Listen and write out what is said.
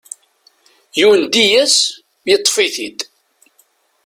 Yundi-as, yeṭṭef-it-id.